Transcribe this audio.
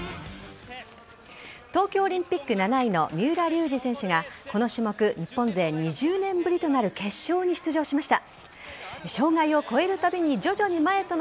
東京オリンピック７位の三浦龍司選手がこの種目日本勢２０年ぶりとなる決勝に出場しました。